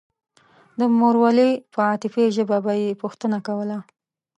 د مورولۍ په عاطفي ژبه به يې پوښتنه کوله.